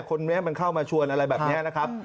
คนนี้มันเข้ามาชวนอะไรแบบนี้นะครับ